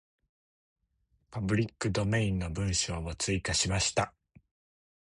パブリックドメインの文章を追加しました。